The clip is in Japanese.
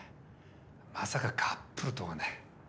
まさかカップルとはね。